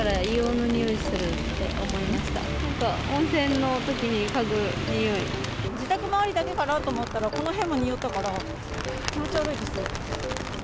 なんか、自宅周りだけかなと思ったら、この辺も臭ったから、気持ち悪いです。